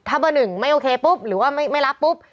ถ้าเบอร์หนึ่งไม่โอเคปุ๊บหรือว่าไม่รับปุ๊บ